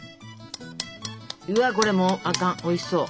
うわっこれもうあかんおいしそう。